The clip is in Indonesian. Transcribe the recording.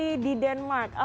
bagaimana dengan vaksinasi